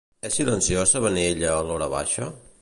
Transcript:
És silenciós Sabanell a l'horabaixa?